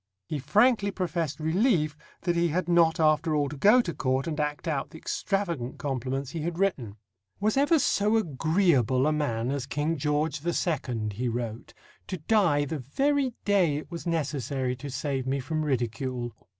He frankly professed relief that he had not after all to go to Court and act out the extravagant compliments he had written. "Was ever so agreeable a man as King George the Second," he wrote, "to die the very day it was necessary to save me from ridicule?"